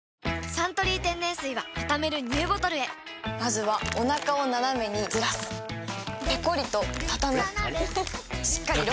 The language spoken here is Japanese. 「サントリー天然水」はたためるＮＥＷボトルへまずはおなかをナナメにずらすペコリ！とたたむしっかりロック！